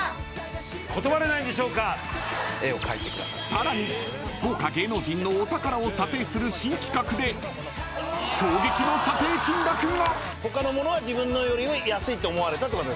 更に豪華芸能人のお宝を査定する新企画で衝撃の査定金額が。